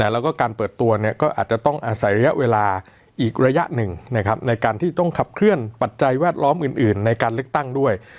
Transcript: แล้วก็การเปิดตัวก็อาจจะต้องอาศัยระยะเวลาอีกระยะหนึ่งในการที่ต้องขับเคลื่อนปัจจัยแวดล้อมอื่นในการเลือกตั้งด้วย